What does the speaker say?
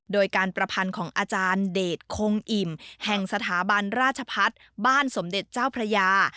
โดยการประพันธ์ของอาจารย์เดชคงอิ่มแห่งสถาบันราชพัฒน์บ้านสมเด็จเจ้าพระยา